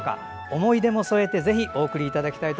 思い出も添えてぜひ、お送りください。